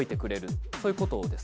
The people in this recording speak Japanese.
はいそういうことです。